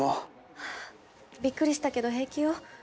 びっくりしたけど平気よ。